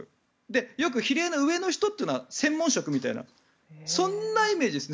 よく比例の上の人というのは専門職みたいなそんなイメージですね。